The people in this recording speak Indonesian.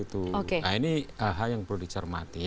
nah ini hal hal yang perlu dicermati